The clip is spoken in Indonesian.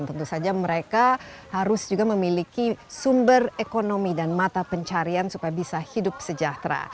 tentu saja mereka harus juga memiliki sumber ekonomi dan mata pencarian supaya bisa hidup sejahtera